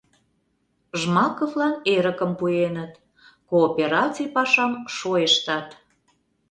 Жмаковлан эрыкым пуэныт, коопераций пашам шойыштат.